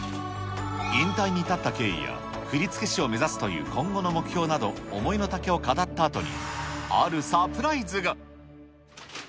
引退に至った経緯や、振付師を目指すという今後の目標など、思いのたけを語ったあとに、あるサプライズが。